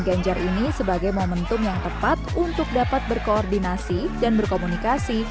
ganjar ini sebagai momentum yang tepat untuk dapat berkoordinasi dan berkomunikasi